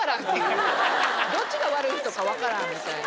どっちが悪い人か分からんみたいな。